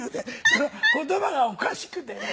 その言葉がおかしくてね。